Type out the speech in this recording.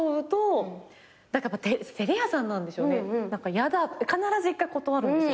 「やだ」って必ず一回断るんです。